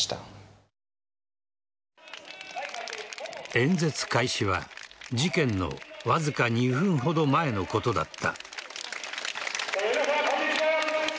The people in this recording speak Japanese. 演説開始は、事件のわずか２分ほど前のことだった。